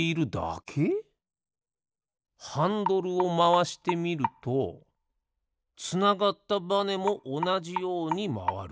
ハンドルをまわしてみるとつながったバネもおなじようにまわる。